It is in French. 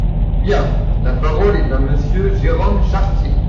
Bien ! La parole est à Monsieur Jérôme Chartier.